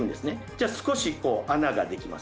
じゃあ少し穴ができます。